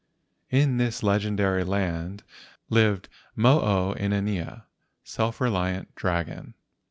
In this legendary land lived Mo o inanea (self reliant dragon).